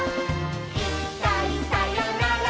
「いっかいさよなら